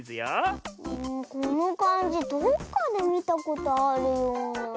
このかんじどっかでみたことあるような。